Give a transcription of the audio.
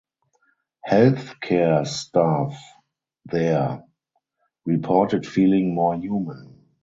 Health care staff there "reported feeling more human".